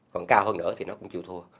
còn cao hơn nữa thì nó cũng chịu thua